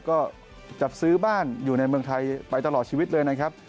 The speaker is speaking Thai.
ก็จัดซื้อบ้านอยู่ในเมืองไทยไปตลอดชีวิตเลยนะครับ